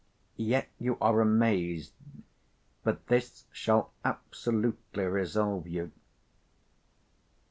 Yet you are amazed; but this shall absolutely resolve you.